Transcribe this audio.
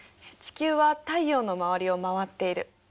地球は太陽の周りを回っている。